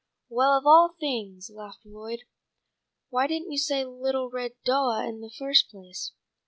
"Well, of all things," laughed Lloyd, "why didn't you say little red doah in the first place.